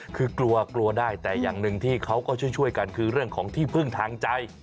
คือกลัวกลัวได้แต่อย่างหนึ่งที่เขาก็ช่วยกันคือเรื่องของที่พึ่งทางใจ